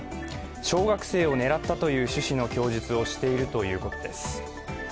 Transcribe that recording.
小学生を狙ったという趣旨の供述をしているということです。